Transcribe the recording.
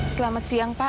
selamat siang pak